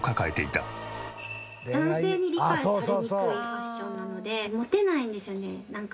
男性に理解されにくいファッションなのでモテないんですよねなんか。